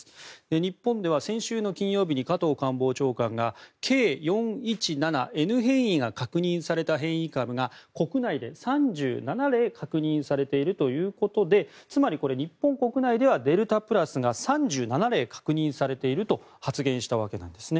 日本では先週の金曜日に加藤官房長官がＫ４１７Ｎ変異が確認された変異株が国内で３７例確認されているということでつまり、日本国内ではデルタプラスが３７例確認されていると発言したわけなんですね。